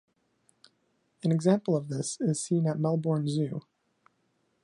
An example of this is seen at Melbourne Zoo.